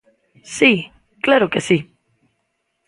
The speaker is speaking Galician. Si, claro que si.